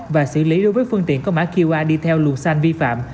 và xử lý đối với phương tiện có mã qr đi theo lùa xanh vi phạm